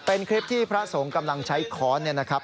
เป็นคลิปที่พระสงฆ์กำลังใช้ค้อนเนี่ยนะครับ